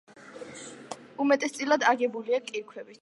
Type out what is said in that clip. უმეტესწილად აგებულია კირქვებით.